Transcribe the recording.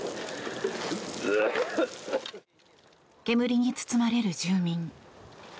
煙に包まれる住民。